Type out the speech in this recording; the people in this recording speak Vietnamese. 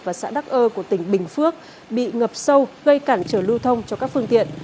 và xã đắc ơ của tỉnh bình phước bị ngập sâu gây cản trở lưu thông cho các phương tiện